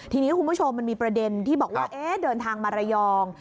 ทีนี้คุณผู้ชมมันมีประเด็นที่บอกว่าเดินทางมาระยอง